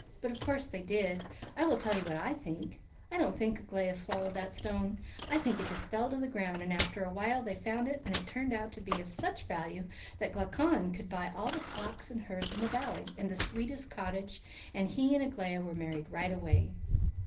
"But of course they did. I will tell you what I think. I don't think Aglaia swallowed the stone. I think it just fell to the ground; and after awhile they found it, and it turned out to be of such value that Glaucon could buy all the flocks and herds in the valley, and the sweetest cottage; and he and Aglaia were married right away."